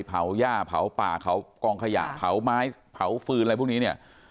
ย่าเผาป่าเผากองขยะเผาไม้เผาฟืนอะไรพวกนี้เนี่ย